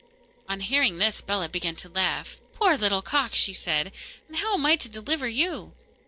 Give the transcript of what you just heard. On hearing this Bellah began to laugh. 'Poor little cock!' she said, 'and how am I to deliver you?